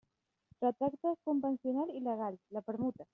Retractes convencional i legal: la permuta.